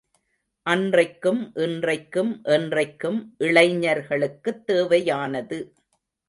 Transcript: அன்றைக்கும் இன்றைக்கும் என்றைக்கும் இளைஞர்களுக்குத் தேவையானது.